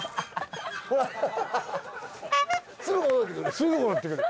すぐ戻ってくる。